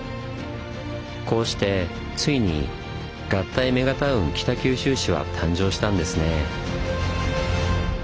こうしてついに「合体メガタウン北九州市」は誕生したんですね。